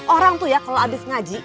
orang tuh ya kalo abis ngaji